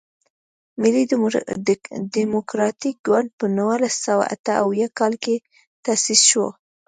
ملي ډیموکراتیک ګوند په نولس سوه اته اویا کال کې تاسیس شو.